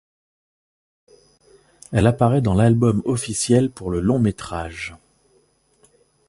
Elle apparaît dans l'album officiel pour le long-métrage.